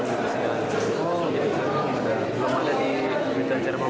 tadi kan rencana kan menghadap ke bukalapak